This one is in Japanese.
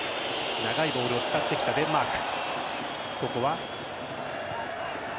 長いボールを使ってきたデンマーク。